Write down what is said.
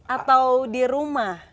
atau di rumah